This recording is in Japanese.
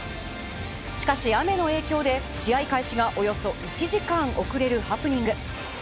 しかし雨の影響で試合開始がおよそ１時間遅れるハプニング。